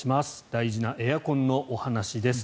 大事なエアコンのお話です。